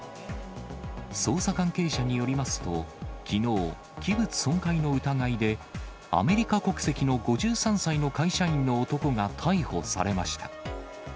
捜査関係者によりますと、きのう、器物損壊の疑いで、アメリカ国籍の５３歳の会社員の男が逮捕されました。